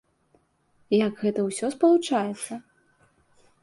Як гэта ўсё спалучаецца?